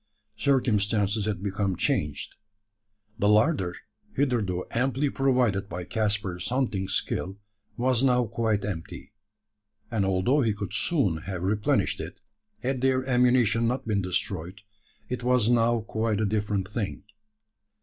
Circumstances had become changed. The larder, hitherto amply provided by Caspar's hunting skill, was now quite empty; and although he could soon have replenished it had their ammunition not been destroyed, it was now quite a different thing.